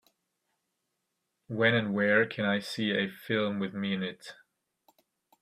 When and where can I see A Film with Me in It